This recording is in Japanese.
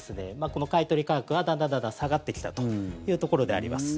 この買い取り価格がだんだん下がってきたというところであります。